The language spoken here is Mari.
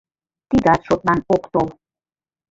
— Тидат шотлан ок тол.